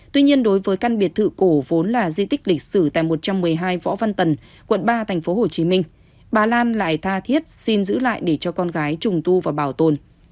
tuy nhiên đối với căn biệt thự cổ vốn là di tích lịch sử tại một trăm một mươi hai võ văn tần quận ba tp hcm bà lan lại tha thiết xin giữ lại để cho con gái trùng tu và bảo tồn